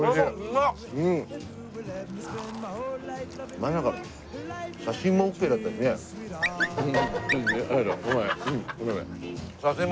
まさか写真もＯＫだったしね。ありがと。